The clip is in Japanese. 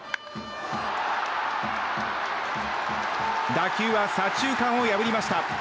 打球は左中間を破りました。